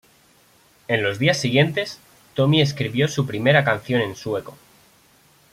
En los días siguientes, Tommy escribió su primera canción en Sueco.